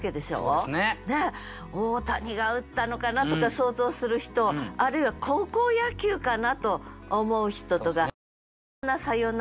「大谷が打ったのかな？」とか想像する人あるいは「高校野球かな？」と思う人とかいろんなサヨナラ打。